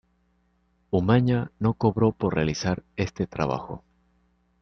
Umaña no cobró por realizar este trabajo.